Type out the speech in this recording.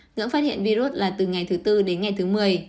ngưỡng phát hiện virus là từ ngày thứ tư đến ngày thứ một mươi